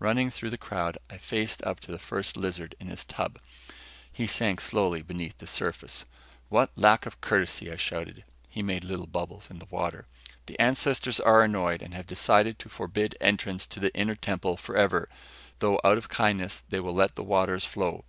Running through the crowd, I faced up to the First Lizard in his tub. He sank slowly beneath the surface. "What lack of courtesy!" I shouted. He made little bubbles in the water. "The ancestors are annoyed and have decided to forbid entrance to the Inner Temple forever; though, out of kindness, they will let the waters flow.